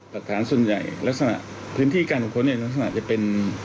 ประธานส่วนใหญ่ลักษณะพื้นที่การขุดข้นลักษณะจะเป็น